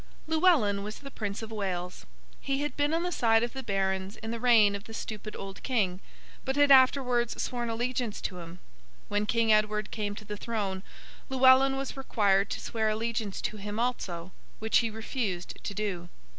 Llewellyn was the Prince of Wales. He had been on the side of the Barons in the reign of the stupid old King, but had afterwards sworn allegiance to him. When King Edward came to the throne, Llewellyn was required to swear allegiance to him also; which he refused to do.